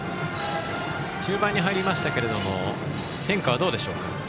中盤に入りましたけれども変化はどうでしょうか。